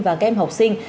và các em học sinh